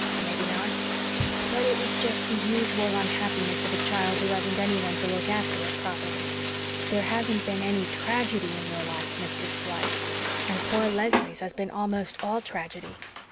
"Mebbe not but it was just the usual unhappiness of a child who hasn't anyone to look after it properly. There hasn't been any TRAGEDY in your life, Mistress Blythe. And poor Leslie's has been almost ALL tragedy.